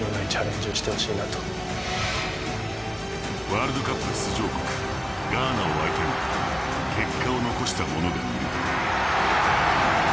ワールドカップ出場国、ガーナを相手に結果を残した者がいる。